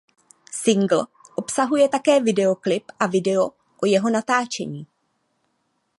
Singl obsahuje také videoklip a video o jeho natáčení.